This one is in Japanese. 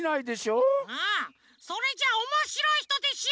うんそれじゃおもしろいひとでしょ！